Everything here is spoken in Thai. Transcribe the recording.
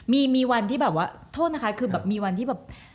มีวันที่แบบว่าโทษนะคะคือแบบมีวันที่แบบ